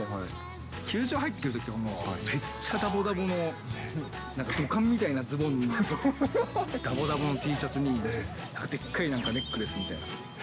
球場に来るときとかもうめっちゃだぼだぼの、なんか土管みたいなズボンにだぼだぼのＴシャツに、でっかいネックレスみたいな。